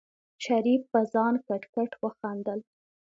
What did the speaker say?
شريف په ځان کټ کټ وخندل.